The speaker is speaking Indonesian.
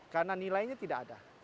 karena nilainya tidak ada